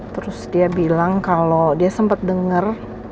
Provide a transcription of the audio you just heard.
terus dia bilang kalau dia sempat dengar